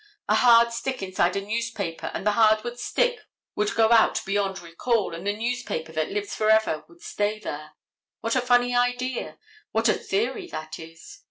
A hard stick inside a newspaper and the hardwood stick would go out beyond recall, and the newspaper that lives forever would stay there. What a funny idea; what a theory that is.